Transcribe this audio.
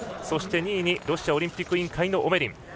そして、２位にロシアオリンピック委員会のオメリン。